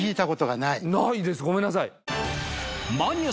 ないですごめんなさい